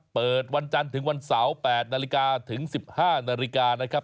เปิดวันจันทร์ถึงวันเสาร์๘นาฬิกาถึง๑๕นาฬิกานะครับ